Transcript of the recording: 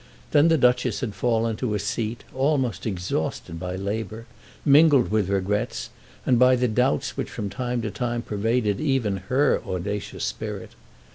Then the Duchess had fallen to a seat almost exhausted by labour, mingled with regrets, and by the doubts which from time to time pervaded even her audacious spirit.